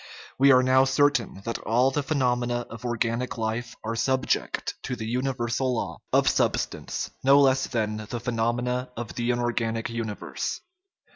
We are now certain that all the phenomena of organic life are subject to the universal law of substance no less than the phenomena of the inorganic universe.